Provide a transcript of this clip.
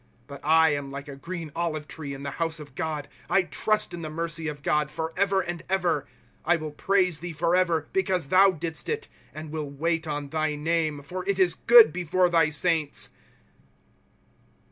* But I am like a green olive tree in the house of God ; 1 ti ust in the mercy of God forever and ever. ® 1 will praise thee forever, because thou didst it; And will wait on thy name, for it is good before thy saints.